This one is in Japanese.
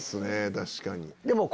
確かに。